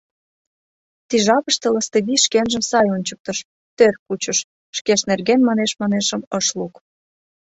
Ты жапыште Лыстывий шкенжым сай ончыктыш, тӧр кучыш, шкеж нерген манеш-манешым ыш лук...